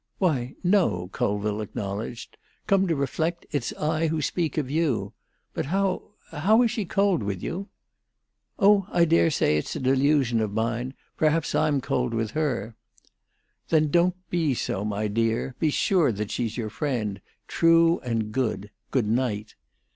"Why, no," Colville acknowledged. "Come to reflect, it's I who speak of you. But how—how is she cold with you?" "Oh, I dare say it's a delusion of mine. Perhaps I'm cold with her." "Then don't be so, my dear! Be sure that she's your friend—true and good. Good night."